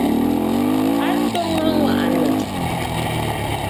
A twoŋǝ aŋwà'ànǝ̀.